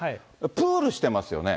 プールしてますよね。